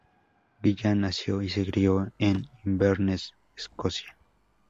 Gillan nació y se crió en Inverness, Escocia.